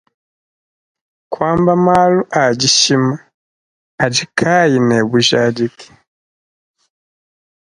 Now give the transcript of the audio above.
Kuamba malu adishima adi kaayi ne bujadiki.